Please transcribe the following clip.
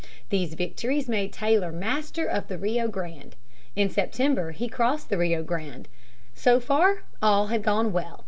These victories made Taylor master of the Rio Grande. In September he crossed the Rio Grande. So far all had gone well.